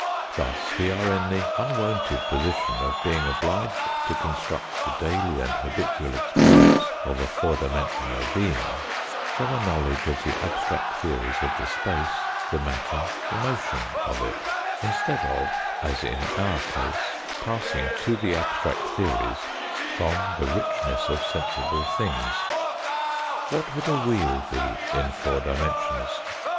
Thus we are in the unwonted position qf being obliged to construct the daily and habitual experience of a four dimensional being, from a knowledge of the abstract theories of the space, the matter, the motion of it ; instead of, as in our case, passing to the abstract theories from the richness of sensible things. What would a wheel be in four dimensions?